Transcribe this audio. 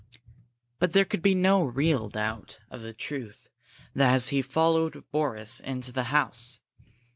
But there could be no real doubt of the truth as he followed Boris into the house.